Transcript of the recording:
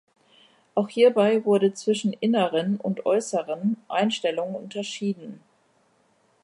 Auch hierbei wurde zwischen inneren und äußeren Einstellungen unterschieden.